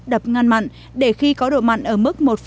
đập ngăn mặn để khi có độ mặn ở mức